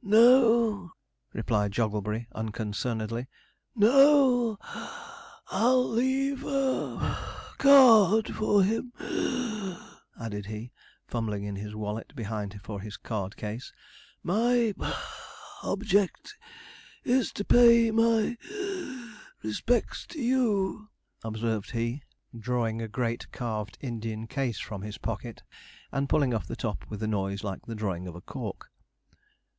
'No,' replied Jogglebury unconcernedly. 'No; I'll leave a (puff) card for him (wheeze),' added he, fumbling in his wallet behind for his card case. 'My (puff) object is to pay my (wheeze) respects to you,' observed he, drawing a great carved Indian case from his pocket, and pulling off the top with a noise like the drawing of a cork.